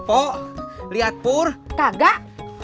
oh lihat pur kagak